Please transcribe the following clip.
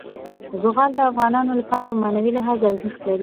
زغال د افغانانو لپاره په معنوي لحاظ ارزښت لري.